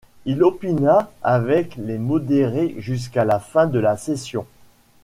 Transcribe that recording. Il opina avec les modérés jusqu'à la fin de la session.